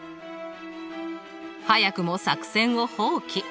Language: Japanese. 早くも作戦を放棄。